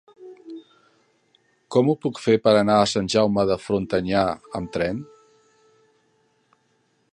Com ho puc fer per anar a Sant Jaume de Frontanyà amb tren?